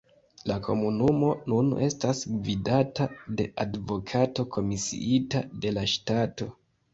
La komunumo nun estas gvidata de advokato komisiita de la ŝtato.